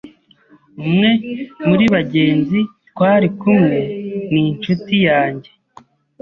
Umwe muri bagenzi twari kumwe ni inshuti yanjye.